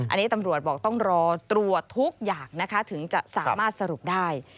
อันนี้ตำรวจบอกต้องรอตรวจทุกอย่างนะคะถึงจะสามารถสรุปได้